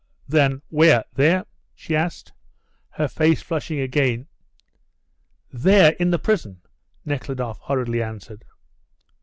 "Than where there?" she asked, her face flushing again. "There in the prison," Nekhludoff hurriedly answered.